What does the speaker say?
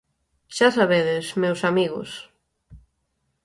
Xa sabedes, meus amigos.